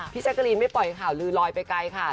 แจ๊กกะรีนไม่ปล่อยข่าวลือลอยไปไกลค่ะ